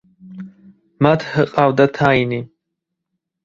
მათ ჰყავდა თაინი.